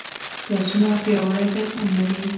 لاسونه پیاوړی پیغام لري